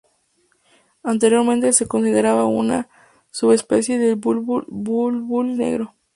Anteriormente se consideraba una subespecie del bulbul negro.